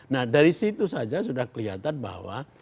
nah dari situ saja sudah kelihatan bahwa